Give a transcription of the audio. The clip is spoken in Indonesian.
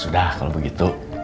ya sudah kalau begitu